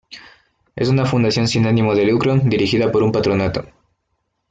Es una Fundación sin animo de lucro, dirigida por un Patronato.